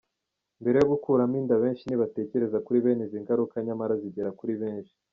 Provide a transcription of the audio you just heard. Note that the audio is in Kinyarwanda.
Mbere yo gukuramo inda, benshi ntibatekereza kuri bene izi ngaruka nyamara zigera kuri benshi.